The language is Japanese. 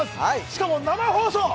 しかも、生放送！